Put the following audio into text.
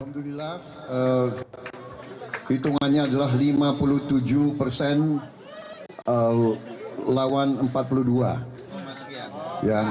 alhamdulillah hitungannya adalah lima puluh tujuh persen lawan empat puluh dua